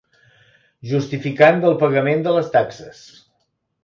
Justificant del pagament de les taxes.